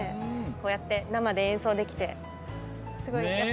こうやって生で演奏できて。